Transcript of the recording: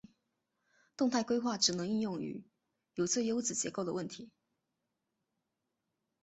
动态规划只能应用于有最优子结构的问题。